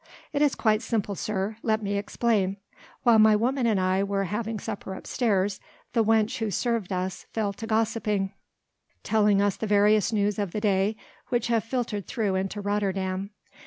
"It is quite simple, sir. Let me explain. While my woman and I were having supper upstairs, the wench who served us fell to gossiping, telling us the various news of the day which have filtered through into Rotterdam.